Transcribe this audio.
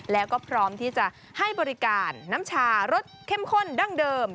แล้วก็พร้อมที่จะให้บริการน้ำชารสเข้มข้นดั้งเดิม